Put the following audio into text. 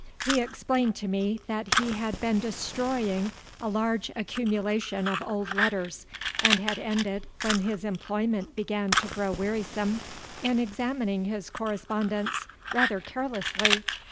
He explained to me that he had been destroying a large accumulation of old letters, and had ended (when his employment began to grow wearisome) in examining his correspondence rather carelessly.